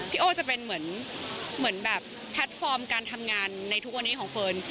โอ้จะเป็นเหมือนแบบแพลตฟอร์มการทำงานในทุกวันนี้ของเฟิร์น